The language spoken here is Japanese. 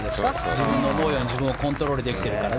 自分の思うようにコントロールできてるから。